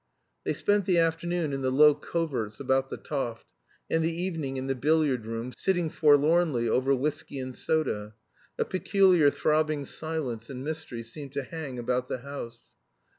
They spent the afternoon in the low coverts about the Toft, and the evening in the billiard room, sitting forlornly over whiskey and soda. A peculiar throbbing silence and mystery seemed to hang about the house.